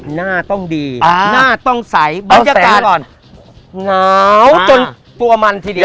หน้าต้องดีหน้าต้องใสบรรยากาศก่อนหนาวจนตัวมันทีเดียว